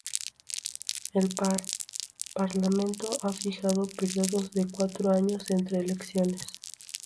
El parlamento ha fijado períodos de cuatro años entre elecciones.